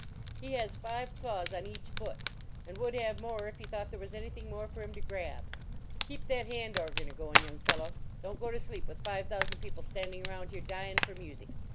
He has five claws on each foot, and would have more if he thought there was anything more for him to grab keep that hand organ a goin , young fellow; don t go to sleep with five thousand people standing around here dyin for music!